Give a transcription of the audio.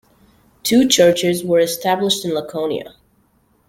Two churches were established in Laconia.